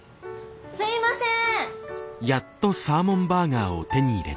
すいません！